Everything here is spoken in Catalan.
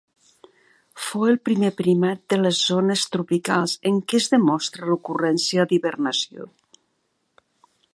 Fou el primer primat de les zones tropicals en què es demostrà l'ocurrència d'hibernació.